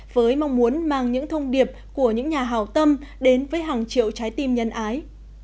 với mong muốn mang những thông điệp của những nhà hào tâm đến với hàng triệu trái tim nhân ái